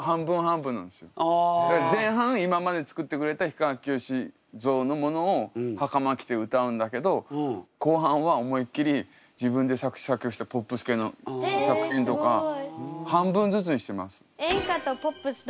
前半今までつくってくれた氷川きよし像のものをはかま着て歌うんだけど後半は思いっきり自分で作詞作曲したポップス系の作品とか半分ずつにしてます。